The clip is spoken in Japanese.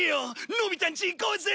のび太んち行こうぜ！